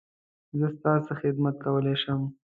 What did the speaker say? زه ستا څه خدمت کولی شم؟